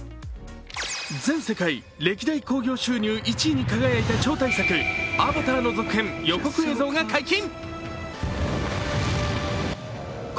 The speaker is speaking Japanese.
全世界歴代興行収入１位に輝いた超大作「アバター」の続編、予告映像が解禁！